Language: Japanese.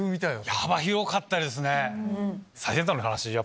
幅広かったですね。